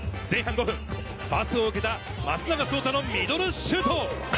前半５分、パスを受けた松永颯汰のミドルシュート。